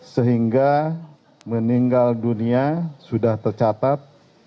sehingga meninggal dunia sudah tercatat tiga ratus dua puluh tiga